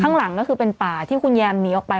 ข้างหลังก็คือเป็นป่าที่คุณแยมหนีออกไป